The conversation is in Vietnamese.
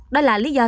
đó là lý do tại sao